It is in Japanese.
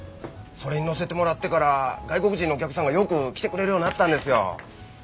それに載せてもらってから外国人のお客さんがよく来てくれるようになったんですよ。